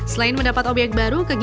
selain mendapat obyek baru